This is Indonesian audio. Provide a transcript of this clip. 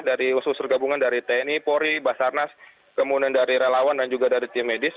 dari usus usur gabungan dari tni polri basarnas kemudian dari relawan dan juga dari tim medis